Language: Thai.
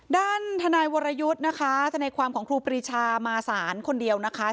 ด้านทนายวรยุทธ์นะคะทนายความของครูปรีชามาศาลคนเดียวนะคะ